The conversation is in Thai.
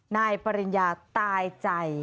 นายปริญญาตายใจ